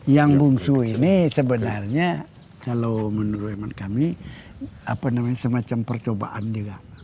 yang bungsu ini sebenarnya kalau menurut kami semacam percobaan juga